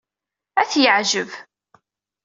Ad t-yeɛjeb.